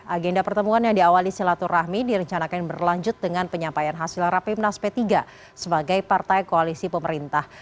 agenda pertemuan yang diawali silaturahmi direncanakan berlanjut dengan penyampaian hasil rapimnas p tiga sebagai partai koalisi pemerintah